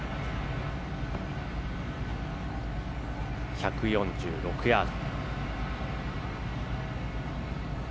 １４６ヤード。